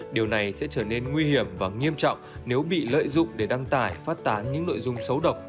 điều này sẽ trở nên nguy hiểm và nghiêm trọng nếu bị lợi dụng để đăng tải phát tán những nội dung xấu độc